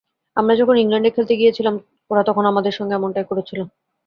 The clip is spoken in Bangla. আমরা যখন ইংল্যান্ডে খেলতে গিয়েছিলাম ওরা তখন আমাদের সঙ্গে এমনটাই করেছিল।